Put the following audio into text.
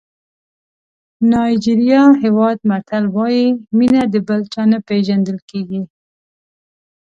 نایجېریا هېواد متل وایي مینه د بل چا نه پېژندل کېږي.